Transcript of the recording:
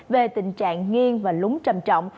về tình trạng nghiêng và lúng trầm trọng